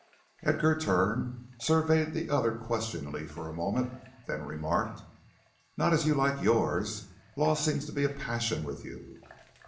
Edgar turned, surveyed the other questioningly for a moment, then remarked: "Not as you like yours. Law seems to be a passion with you."